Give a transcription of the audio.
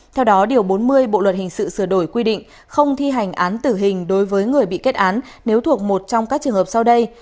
theo đó điều bốn mươi bộ luật hình sự sửa đổi quy định không thi hành án tử hình đối với người bị kết án nếu thuộc một trong các trường hợp sau đây